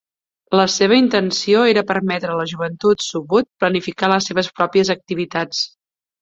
La seva intenció era permetre a la joventut subud planificar les seves pròpies activitats.